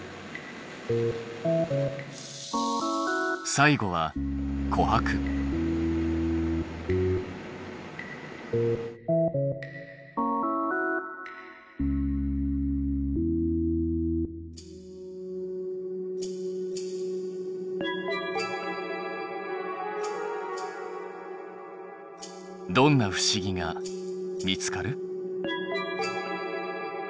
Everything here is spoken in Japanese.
最後はどんな不思議が見つかる？